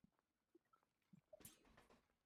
Nita enda na bidon ya mafuta ya kupana